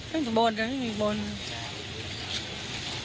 ไม่มีคนบอด